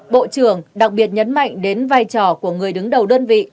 bộ trưởng đặc biệt nhấn mạnh đến vai trò của người đứng đầu đơn vị